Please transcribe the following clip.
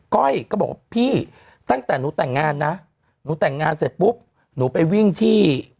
ก้อยก็บอกว่าพี่ตั้งแต่หนูแต่งงานนะหนูแต่งงานเสร็จปุ๊บหนูไปวิ่งที่